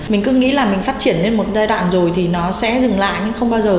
mình cứ nghĩ là mình phát triển lên một giai đoạn rồi thì nó sẽ dừng lại nhưng không bao giờ